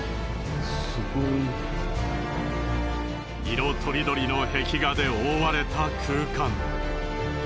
すごい。色とりどりの壁画で覆われた空間。